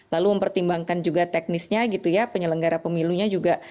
lalu mempertimbangkan juga teknisnya gitu ya penyelenggara pemilunya juga